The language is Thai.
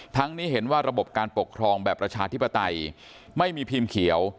นี้เห็นว่าระบบการปกครองแบบประชาธิปไตยไม่มีพิมพ์เขียว